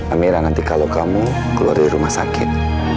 amira nanti kalau kamu keluar dari rumah sakit